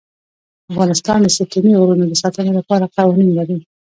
افغانستان د ستوني غرونه د ساتنې لپاره قوانین لري.